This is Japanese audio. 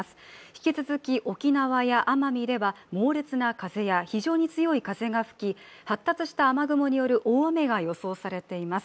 引き続き沖縄や奄美では猛烈な風や非常に強い風が吹き、発達した雨雲による大雨が予想されています。